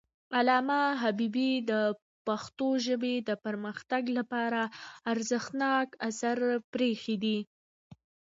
علامه حبيبي د پښتو ژبې د پرمختګ لپاره ارزښتناک آثار پریښي دي.